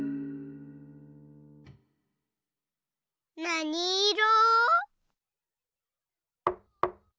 なにいろ？